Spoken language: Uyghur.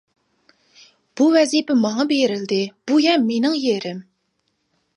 -بۇ ۋەزىپە ماڭا بېرىلدى، بۇ يەر مېنىڭ يېرىم!